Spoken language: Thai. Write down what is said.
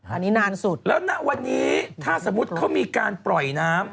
อันนี้นานสุดแล้วณวันนี้ถ้าสมมุติเขามีการปล่อยน้ำ